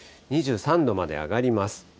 ２３度まで上がります。